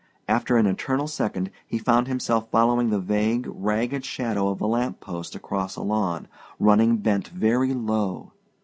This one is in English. After an eternal second be found himself following the vague, ragged shadow of a lamp post across a lawn, running bent very low.